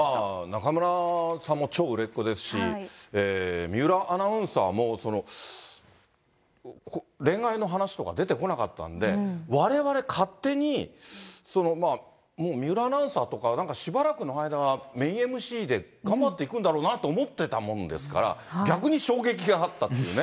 中村さんも超売れっ子ですし、水卜アナウンサーも、その恋愛の話とか出てこなかったんで、われわれ、勝手に、もう水卜アナウンサーとか、なんかしばらくの間は、メインＭＣで頑張っていくんだろうなと思ってたもんですから、逆に衝撃があったっていうね。